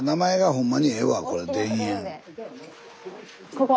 ここ。